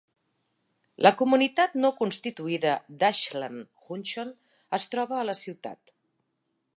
La comunitat no constituïda d'Ashland Junction es troba a la ciutat.